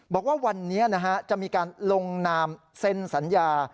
บอกว่าวันนี้จะมีการลงนามเซ็นสัญญา